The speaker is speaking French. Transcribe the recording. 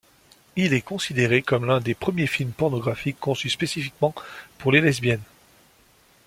Il est considéré comme l'un des premiers films pornographiques conçus spécifiquement pour les lesbiennes.